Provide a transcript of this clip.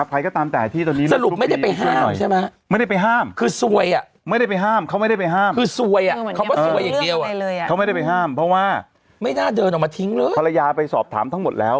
เพราะว่าพรยาไปสอบถามทั้งหมดแล้ว